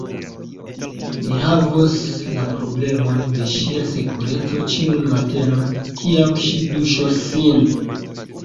Ni havos la problemon de ŝia sekureco ĉiun matenon, kiam ŝi duŝos sin.